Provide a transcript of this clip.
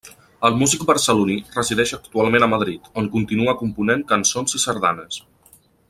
El músic barceloní resideix actualment a Madrid, on continua component cançons i Sardanes.